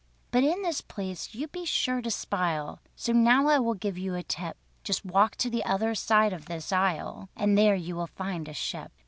"But in this place you'd be sure to spile, So now I will give you a tip: Just walk to the other side of this isle, And there you will find a ship.